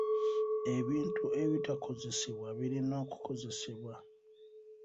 Ebintu ebitakozesebwa birina okukozesebwa.